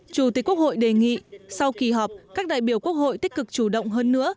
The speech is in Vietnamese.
chủ tịch quốc hội đề nghị sau kỳ họp các đại biểu quốc hội tích cực chủ động hơn nữa